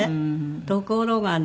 ところがね